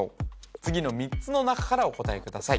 次の３つの中からお答えください